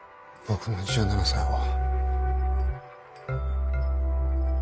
僕の１７才は。